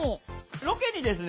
ロケにですね